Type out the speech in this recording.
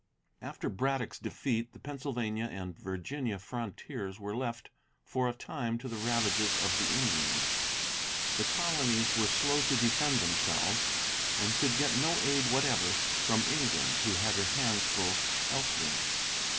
After Braddock's defeat, the Pennsylvania and Virginia frontiers were left, for a time, to the ravages of the Indians. The colonies were slow to defend themselves, and could get no aid whatever from England, who had her hands full elsewhere.